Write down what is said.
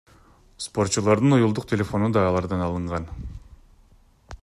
Спортчулардын уюлдук телефондору да алардан алынган.